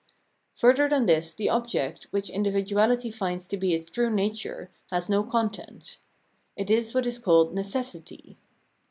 Further than this the object, which individuahty finds to be its true nature, has no content. It is what is called Necessity.